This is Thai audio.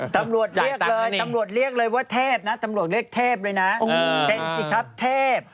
ตำรวจเรียกเลยว่าเธพนะตำรวจเรียกเธพเลยนะสรรค์สิครับเธพ